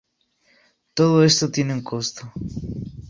Todo esto tiene un costo.